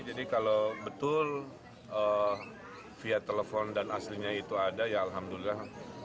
jadi kalau betul via telepon dan aslinya itu ada ya alhamdulillah